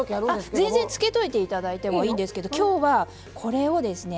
全然つけといて頂いてもいいんですけど今日はこれをですね